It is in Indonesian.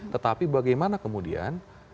tetapi bagaimana kemudian